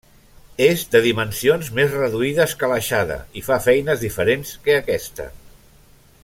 És de dimensions més reduïdes que l'aixada i fa feines diferents que aquesta.